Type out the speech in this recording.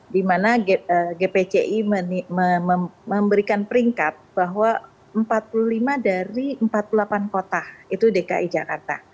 di mana gpci memberikan peringkat bahwa empat puluh lima dari empat puluh delapan kota itu dki jakarta